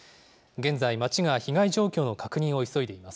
現在、町が被害状況の確認を急いでいます。